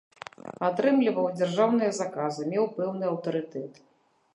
Атрымліваў дзяржаўныя заказы, меў пэўны аўтарытэт.